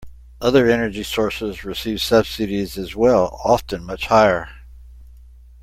Other energy sources receive subsidies as well, often much higher.